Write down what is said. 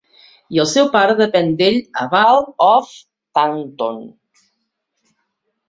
I el seu pare depèn d'ell a Vale of Taunton.